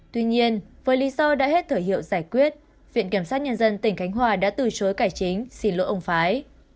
tuy nhiên với lý do đã hết thời hiệu giải quyết viện kiểm sát nhân dân tỉnh khánh hòa đã từ chối cải chính xin lỗi ông phái